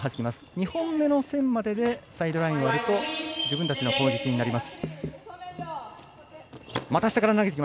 ２本目の線まででサイドラインを割ると自分たちの攻撃になります。